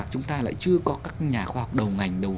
chúng ta lại chưa có các nhà khoa học đầu ngành đầu